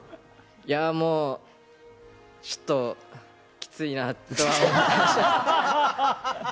もう、ちょっと、きついなとは思いました。